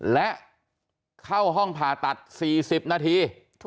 และเข้าห้องผ่าตัด๔๐นาที